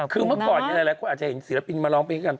คือเมื่อก่อนหลายคนอาจจะเห็นศิลปินมาร้องเพลงกัน